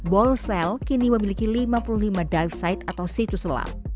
bolsel kini memiliki lima puluh lima dive site atau situs selam